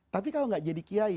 tapi kalau nggak jadi kiai